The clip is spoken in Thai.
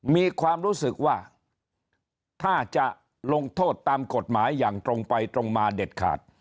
มีความรู้สึกว่าถ้าจะลงโทษตามกฎหมายอย่างตรงไปตรงมาเด็ดขาด